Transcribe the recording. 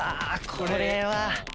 これは。